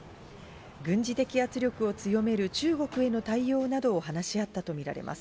軍事的圧力を強める中国への対応などを話し合ったとみられます。